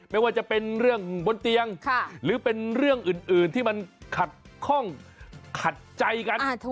ไม่ว่าจะเป็นเรื่องบนเตียงหรือเป็นเรื่องอื่นที่มันขัดข้องขัดใจกัน